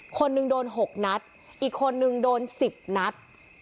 คนหนึ่งโดน๖นัดอีกคนนึงโดน๑๐นัด